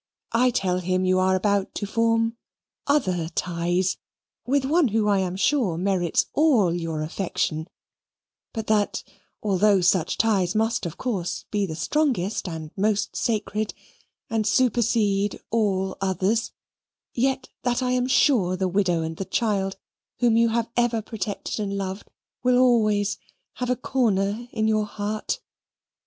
I tell him that you are about to form OTHER TIES, with one who I am sure merits ALL YOUR AFFECTION, but that, although such ties must of course be the strongest and most sacred, and supersede ALL OTHERS, yet that I am sure the widow and the child whom you have ever protected and loved will always HAVE A CORNER IN YOUR HEART."